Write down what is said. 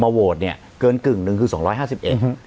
โหวตเนี่ยเกินกึ่งหนึ่งคือสองร้อยห้าสิบเอ็ด